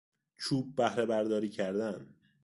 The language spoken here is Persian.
چوب بهرهبرداری کردن